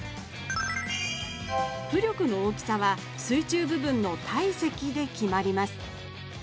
浮力の大きさは水中部分の体積で決まります。